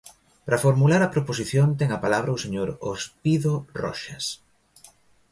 Para formular a proposición ten a palabra o señor Ospido Roxas.